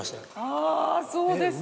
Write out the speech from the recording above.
あぁそうですか。